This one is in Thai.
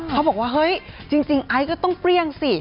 เขาบอกว่าเฮ้ยจริงไอซ์ก็ต้องเปรี้ยงสิ